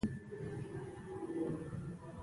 زه لکه پرخه